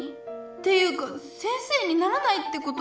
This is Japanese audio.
ていうか先生にならないってこと？